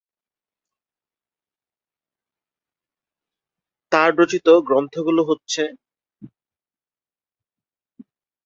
তার রচিত গ্রন্থগুলো হচ্ছে,